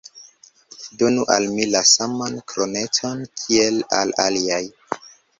Donu al mi la saman kroneton, kiel al aliaj!